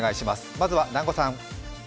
まずは南後さん。